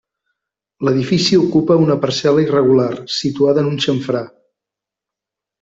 L'edifici ocupa una parcel·la irregular situada en un xamfrà.